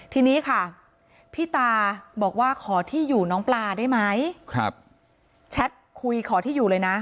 ทีนี้ค่ะพี่ตาบอกว่าขอที่อยู่น้องปลาได้ไหมแชทคุยขอที่อยู่เลยนะ